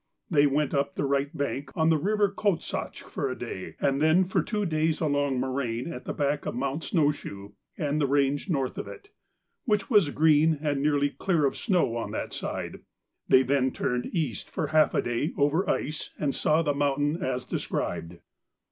They went up the right bank of the river Kokhtasch for a day, and then for two days along moraine at the back of Mount Snowshoe and the range north of it, which was green and nearly clear of snow on that side; they then turned east for half a day over ice and saw the mountain as described.